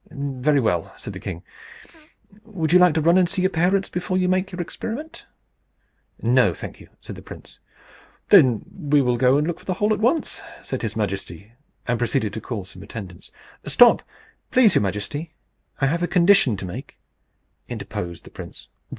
"Very well," said the king. "Would you like to run and see your parents before you make your experiment?" "No, thank you," said the prince. "Then we will go and look for the hole at once," said his majesty, and proceeded to call some attendants. "Stop, please your majesty; I have a condition to make," interposed the prince.